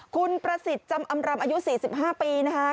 คุณประสิทธิ์จำอำรำอายุ๔๕ปีนะคะ